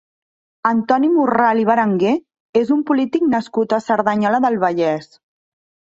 Antoni Morral i Berenguer és un polític nascut a Cerdanyola del Vallès.